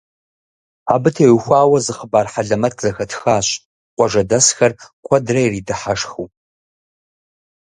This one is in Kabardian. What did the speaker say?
Абы теухуауэ зы хъыбар хьэлэмэт зэхэтхащ, къуажэдэсхэр куэдрэ иридыхьэшхыу.